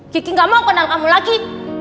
kiki gak mau menang kamu lagi